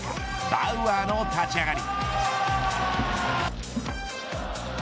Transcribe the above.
バウアーの立ち上がり。